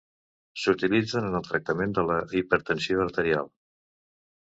S'utilitzen en el tractament de la hipertensió arterial.